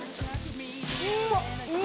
うまっ！